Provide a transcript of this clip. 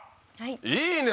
いいね